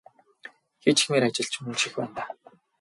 Хийчихмээр ажил мөн ч их байна даа.